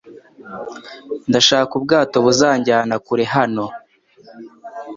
Ndashaka ubwato buzanjyana kure hano